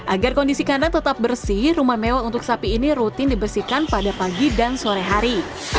agar kondisi kandang tetap bersih rumah mewah untuk sapi ini rutin dibersihkan pada pagi dan sore hari